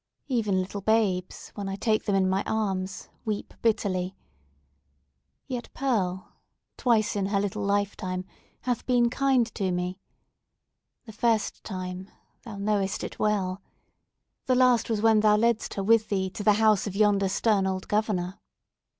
Even little babes, when I take them in my arms, weep bitterly. Yet Pearl, twice in her little lifetime, hath been kind to me! The first time—thou knowest it well! The last was when thou ledst her with thee to the house of yonder stern old Governor."